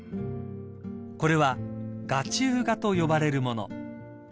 ［これは画中画と呼ばれるもの］